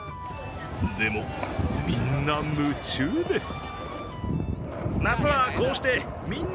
でも、みんな夢中です。